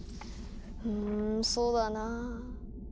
うんそうだなぁ。